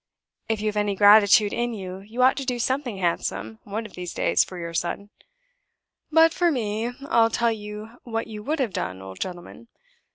If you have any gratitude in you, you ought to do something handsome, one of these days, for your son. But for me, I'll tell you what you would have done, old gentleman.